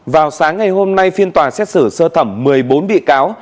vào sáng ngày hôm nay phiên tòa xét xử sơ thẩm một mươi bốn bị cáo